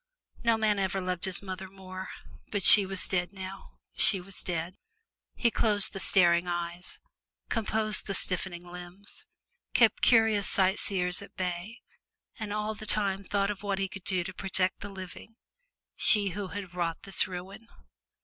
No man ever loved his mother more, but she was dead now she was dead. He closed the staring eyes, composed the stiffening limbs, kept curious sightseers at bay, and all the time thought of what he could do to protect the living she who had wrought this ruin.